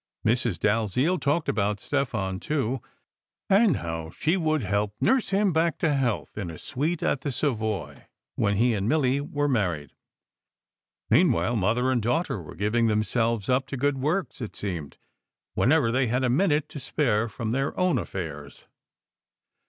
Mrs. Dalziel talked about Stefan, too, and how she would help nurse him back to health in a suite at the Savoy, when he and Milly were married. Meanwhile, mother and daughter were giving themselves up to good works, it seemed, whenever they had a minute to spare from their own affairs.